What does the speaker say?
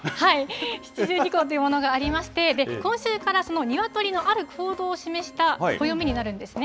七十二候というものがありまして、今週からその鶏のある行動を示した暦になるんですね。